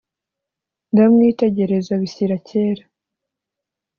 Ndamwitegereza bishyira kera,